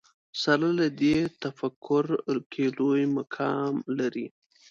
سره له دې تفکر کې لوی مقام لري